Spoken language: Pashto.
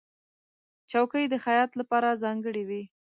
چوکۍ د خیاط لپاره ځانګړې وي.